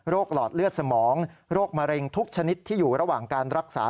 หลอดเลือดสมองโรคมะเร็งทุกชนิดที่อยู่ระหว่างการรักษา